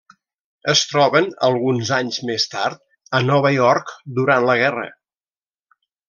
Es troben alguns anys més tard a Nova York durant la guerra.